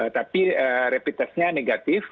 tapi reputasinya negatif